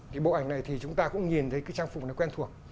thì bộ ảnh này thì chúng ta cũng nhìn thấy cái trang phục này quen thuộc